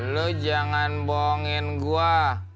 lu jangan bohongin gua